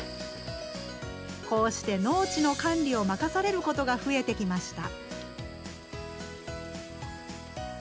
こうして農地の管理を任されることが増えてきました。